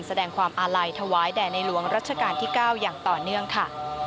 แสดงความอาลัยถวายแด่ในหลวงรัชกาลที่๙อย่างต่อเนื่องค่ะ